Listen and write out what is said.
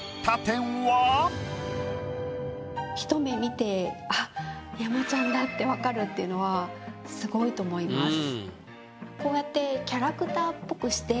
ひと目見てあっ山ちゃんだって分かるっていうのはすごいと思います。